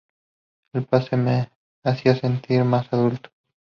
El pase me hacía sentir más adulto".